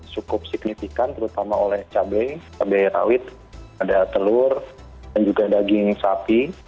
cukup signifikan terutama oleh cabai cabai rawit ada telur dan juga daging sapi